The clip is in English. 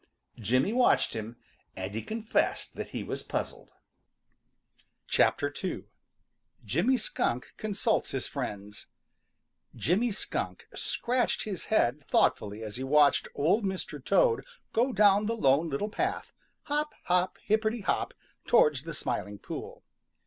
Jimmy watched him, and he confessed that he was puzzled. II JIMMY SKUNK CONSULTS HIS FRIENDS Jimmy Skunk scratched his head thoughtfully as he watched Old Mr. Toad go down the Lone Little Path, hop, hop, hipperty hop, towards the Smiling Pool.